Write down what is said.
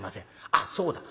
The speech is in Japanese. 「あっそうだ。